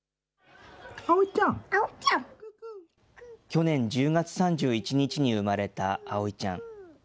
去年１０月３１日に産まれた葵ちゃん。